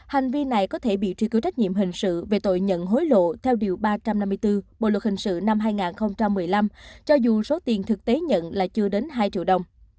hành vi này có thể bị truy cư trách nhiệm hình sự về tội nhận hối lộ theo điều ba trăm năm mươi bốn bộ luật hình sự năm hai nghìn một mươi năm cho dù số tiền thực tế nhận là chưa đến hai triệu đồng